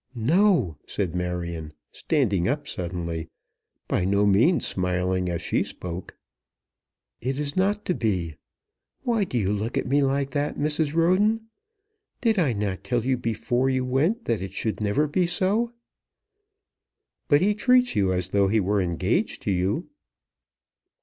"No!" said Marion, standing up suddenly, by no means smiling as she spoke! "It is not to be. Why do you look at me like that, Mrs. Roden? Did I not tell you before you went that it should never be so?" "But he treats you as though he were engaged to you?"